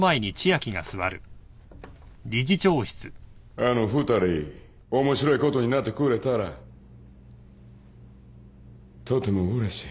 あの二人面白いことになってくれたらとてもうれしい。